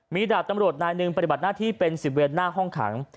มีดาบตำรวจนายหนึ่งปฏิบัติหน้าที่เป็น๑๐เวนหน้าห้องขัง